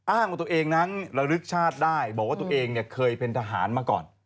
อ้างว่าตัวเองนั้นระลึกชาติได้บอกว่าตัวเองเนี่ยเคยเป็นทหารมาก่อน